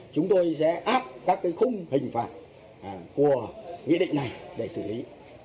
chúng tôi sẽ áp các khung hình phạt của nghị định này để xử lý